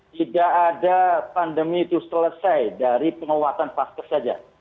tidak ada pandemi itu selesai dari penguatan paskes saja